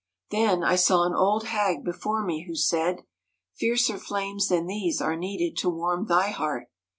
'Then I saw an old hag before me, who said, " Fiercer flames than these are needed to warm thy heart."